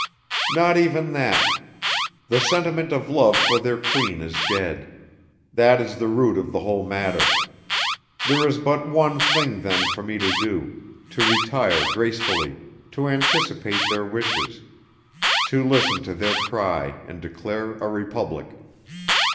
"Not even that. The sentiment of love for their queen is dead. That is the root of the whole matter. There is but one thing, then, for me to do: to retire gracefully to anticipate their wishes to listen to their cry and declare a republic.